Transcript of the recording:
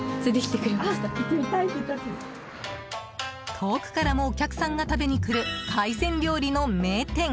遠くからもお客さんが食べに来る海鮮料理の名店